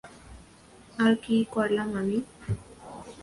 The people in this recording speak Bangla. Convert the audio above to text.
আর কী করলাম আমি?